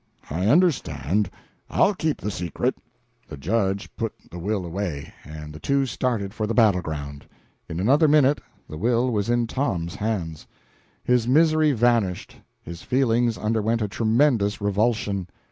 "I understand. I'll keep the secret." The Judge put the will away, and the two started for the battle ground. In another minute the will was in Tom's hands. His misery vanished, his feelings underwent a tremendous revulsion.